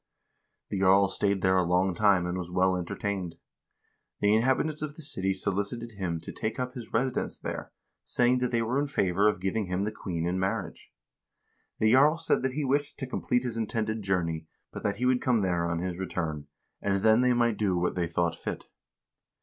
The jarl stayed there a long time and was well entertained. The inhabitants of the city solicited him to take up his residence there, saying that they were in favor of giving him the queen in marriage. The jarl said that he wished to complete his intended journey, but that he would come there on his return, and then they might do what they thought fit.